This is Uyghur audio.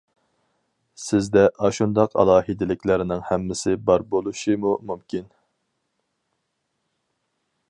سىزدە ئاشۇنداق ئالاھىدىلىكلەرنىڭ ھەممىسى بار بولۇشىمۇ مۇمكىن.